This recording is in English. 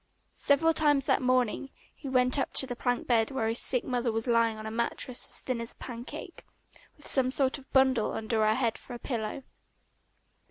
Several times that morning he went up to the plank bed where his sick mother was lying on a mattress as thin as a pancake, with some sort of bundle under her head for a pillow.